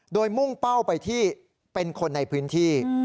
โดยมุ่งเป้าไปที่เป็นคนในพื้นที่